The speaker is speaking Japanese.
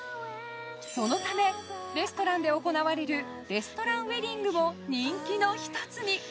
そのためレストランで行われるレストランウェディングも人気の１つに。